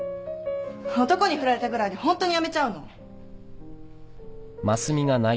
男にふられたぐらいでホントにやめちゃうの！？